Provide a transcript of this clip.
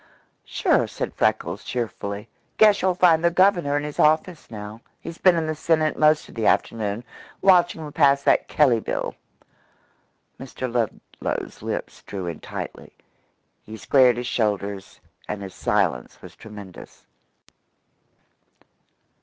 "Sure," said Freckles cheerfully. "Guess you'll find the Governor in his office now. He's been in the Senate most of the afternoon, watching 'em pass that Kelley Bill." Mr. Ludlow's lips drew in tightly. He squared his shoulders, and his silence was tremendous.